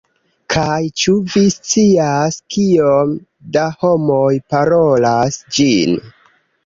Kaj ĉu vi scias kiom da homoj parolas ĝin?